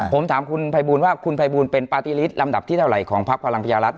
ผมถามคุณภัยบูลว่าคุณภัยบูลเป็นปาร์ตี้ลิตลำดับที่เท่าไหร่ของพักพลังประชารัฐ